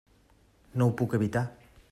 No ho puc evitar.